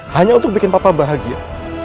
hanya untuk bikin papa bahagia